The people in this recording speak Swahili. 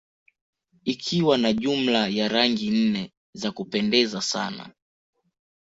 Ikiwa na jumla ya Rangi nne za kupendeza sana